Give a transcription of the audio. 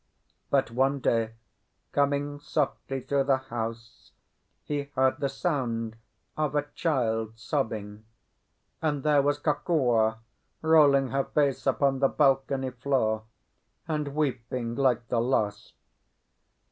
But one day, coming softly through the house, he heard the sound of a child sobbing, and there was Kokua rolling her face upon the balcony floor, and weeping like the lost.